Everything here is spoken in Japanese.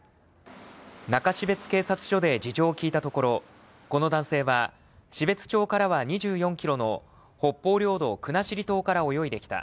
中標津警察署で事情を聴いたところ、この男性は、標津町からは２４キロの北方領土・国後島から泳いできた。